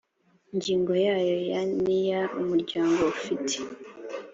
ngingo yayo ya n iya umuryango ufite